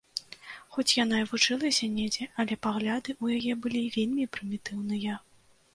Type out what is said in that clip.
Хоць яна і вучылася недзе, але пагляды ў яе былі вельмі прымітыўныя.